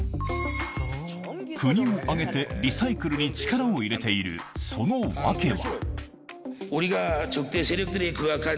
国を挙げてリサイクルに力を入れている、その訳は。